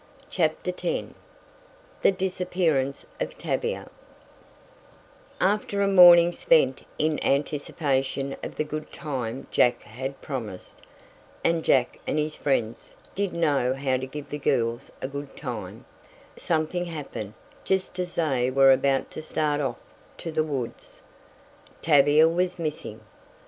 CHAPTER X THE DISAPPEARANCE OF TAVIA After a morning spent in anticipation of the good time Jack had promised (and Jack and his friends did know how to give the girls a good time) something happened just as they were about to start off to the woods. Tavia was missing!